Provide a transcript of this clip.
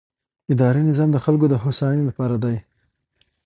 اداري نظام د خلکو د هوساینې لپاره دی.